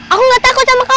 aku gak takut sama kamu